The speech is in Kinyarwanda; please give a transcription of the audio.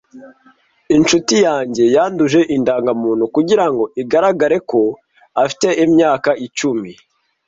Inshuti yanjye yanduje indangamuntu kugirango igaragare ko afite imyaka icumi.